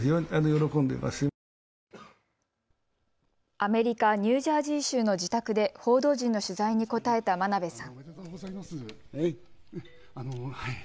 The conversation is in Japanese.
アメリカ・ニュージャージー州の自宅で報道陣の取材に答えた真鍋さん。